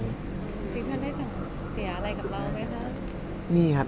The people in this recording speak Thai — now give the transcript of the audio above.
คุณชิคกี้พายได้เสียอะไรกับเราไหมครับ